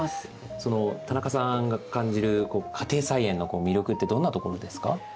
田中さんが感じる家庭菜園の魅力ってどんなところですか？